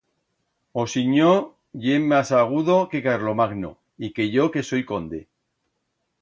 O sinyor ye mas agudo que Carlomagno y que yo que soi conde.